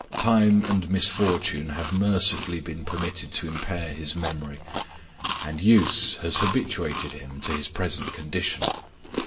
Time and misfortune have mercifully been permitted to The Curate. 5 impair his memory, and use has habituated him to his present con dition.